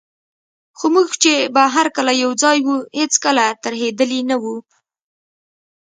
خو موږ چي به هر کله یوځای وو، هیڅکله ترهېدلي نه وو.